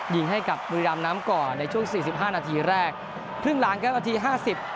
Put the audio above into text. ยิงให้กับบุรีรำน้ำก่อนในช่วงสี่สิบห้านาทีแรกครึ่งหลังครับนาทีห้าสิบ